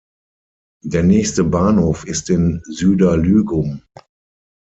Der nächste Bahnhof ist in Süderlügum.